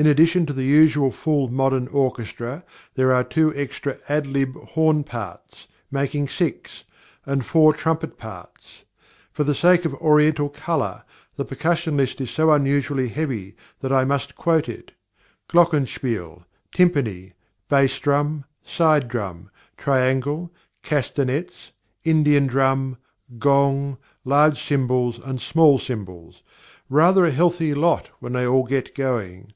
In addition to the usual full modern orchestra, there are two extra ad lib. horn parts, making six, and four trumpet parts. For the sake of "Oriental colour," the percussion list is so unusually heavy that I must quote it: glockenspiel, tympani, bass drum, side drum, triangle, castanets, Indian drum, gong, large cymbals, and small cymbals rather a healthy lot when they all get going!